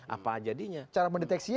apa jadinya cara mendeteksinya